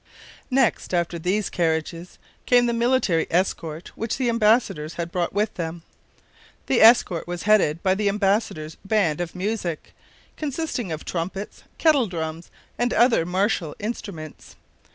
Next after these carriages came the military escort which the embassadors had brought with them. The escort was headed by the embassadors' band of music, consisting of trumpets, kettle drums, and other martial instruments.